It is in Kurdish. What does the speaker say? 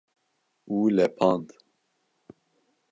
û lepand